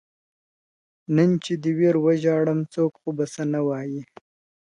نن چي دي ویر وژاړم څوک خو به څه نه وايي ,